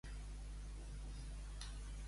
Et bloques uns minuts?